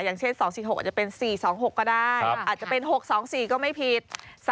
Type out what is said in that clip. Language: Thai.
อย่างเช่น๒๔๖อาจจะเป็น๔๒๖ก็ได้อาจจะเป็น๖๒๔ก็ไม่ผิด